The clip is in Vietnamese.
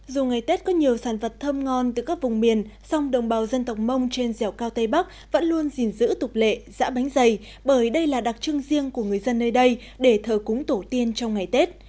dù ngày tết có nhiều sản vật thơm ngon từ các vùng miền song đồng bào dân tộc mông trên dẻo cao tây bắc vẫn luôn gìn giữ tục lệ giã bánh dày bởi đây là đặc trưng riêng của người dân nơi đây để thờ cúng tổ tiên trong ngày tết